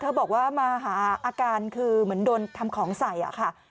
บอกว่ามาหาอาการคือเหมือนโดนทำของใส่อะค่ะ